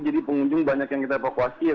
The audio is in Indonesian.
jadi pengunjung banyak yang kita evakuasi ya